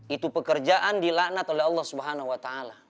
itu pekerjaan dilaknat oleh allah swt